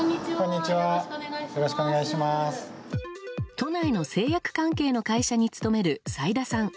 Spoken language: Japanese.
都内の製薬関係の会社に勤める斉田さん。